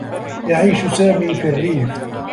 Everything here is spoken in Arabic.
يعيش سامي في الرّيف.